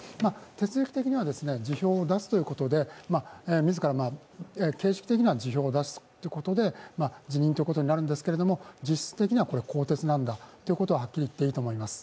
手続き的には辞表を出すということで自ら形式的には辞表を出すということで辞任ということになるんですけれども実質的には更迭なんだと言っていいと思います。